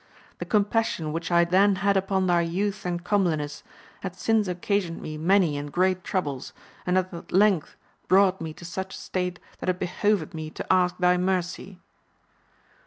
The compassion which I then had upon thy youth and comeliness, hath since occasioned me many and great troubles, and has at length brought me to such state, that it behoveth jne to ask thy mercy.